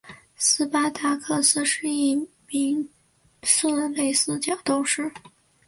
斯巴达克斯是一名色雷斯角斗士。